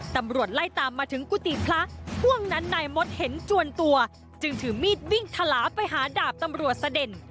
ตำรวจไล่ตามมาถึงกุฏิพระห่วงนั้นนายมดเห็นจวนตัวจึงถือมีดวิ่งทะลาไปหาดาบตำรวจเสด็น